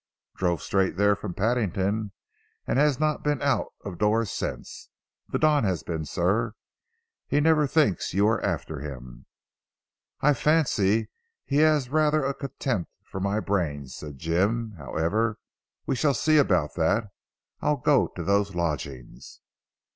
"Drove straight therefrom Paddington, and has not been out of doors since. The Don has been sir. He never thinks you are after him." "I fancy he has rather a contempt for my brains," said Jim. "However we shall see about that. I'll go to those lodgings."